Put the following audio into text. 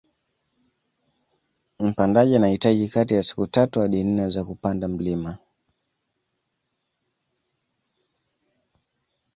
Mpandaji anahitaji kati ya siku tatu hadi nne za kupanda mlima